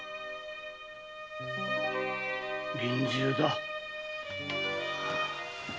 臨終だ。